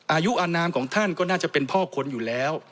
อายุอนามของท่านก็น่าจะเป็นพ่อคนอยู่แล้ว